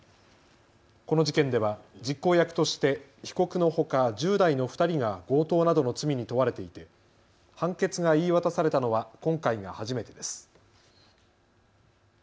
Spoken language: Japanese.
この事件では実行役として被告のほか１０代の２人が強盗などの罪に問われていて判決が言い渡されたのは今回が初めてです。